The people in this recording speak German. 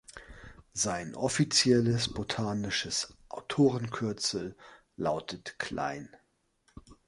Sein offizielles botanisches Autorenkürzel lautet „Klein“.